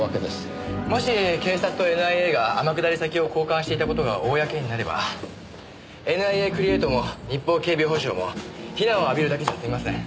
もし警察とＮＩＡが天下り先を交換していた事が公になればＮＩＡクリエイトも日邦警備保障も非難を浴びるだけじゃ済みません。